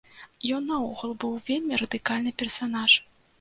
Ён наогул быў вельмі радыкальны персанаж.